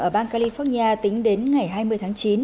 ở bang california tính đến ngày hai mươi tháng chín